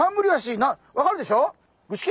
分かるでしょ？